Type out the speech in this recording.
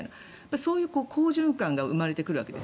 そういう好循環が生まれてくるわけです。